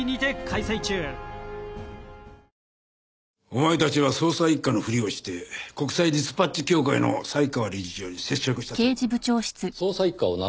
お前たちは捜査一課のふりをして国際ディスパッチ協会の犀川理事長に接触したそうだな。